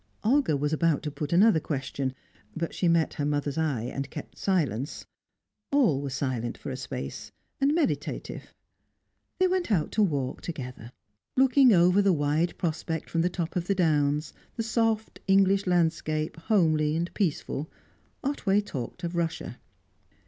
Olga was about to put another question, but she met her mother's eye, and kept silence. All were silent for a space, and meditative. They went out to walk together. Looking over the wide prospect from the top of the Downs, the soft English landscape, homely, peaceful, Otway talked of Russia.